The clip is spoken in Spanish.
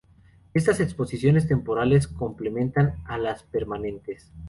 Estas exposiciones temporales complementan a las permanentes.